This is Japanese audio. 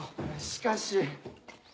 しかし。